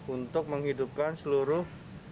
untuk menghidupkan seluruh